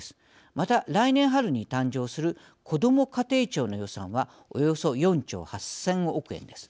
また来年春に誕生するこども家庭庁の予算はおよそ４兆８，０００億円です。